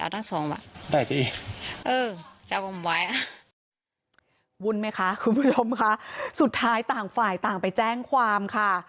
ก็ต่างฝ่ายต่างไปแจ้งความค่ะสุดท้ายต่างฝ่ายต่างไปแจ้งความค่ะ